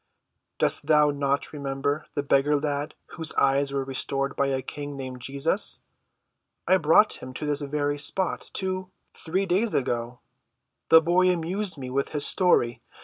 Dost thou not remember the beggar lad whose eyes were restored by a King named Jesus? I brought him to this very spot two—three days ago. The boy amused me with his story.